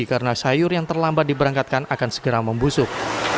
karena sayur yang terlambat diberangkatkan akan segera membusuk